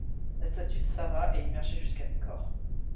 La statue de Sarah est immergée jusqu'à mi-corps.